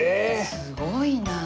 すごいなあ。